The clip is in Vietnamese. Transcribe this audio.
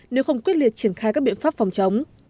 nếu không quyết liệt triển khai các biện pháp phòng chống